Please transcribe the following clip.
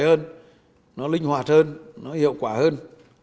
nó nhanh hơn nó linh hoạt hơn nó hiệu quả hơn